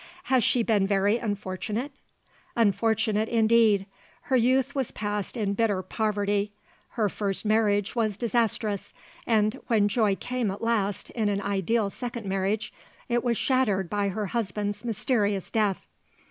"Has she been very unfortunate?" "Unfortunate indeed. Her youth was passed in bitter poverty; her first marriage was disastrous, and when joy came at last in an ideal second marriage it was shattered by her husband's mysterious death.